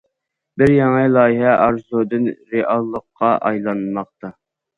بىر يېڭى لايىھە ئارزۇدىن رېئاللىققا ئايلانماقتا.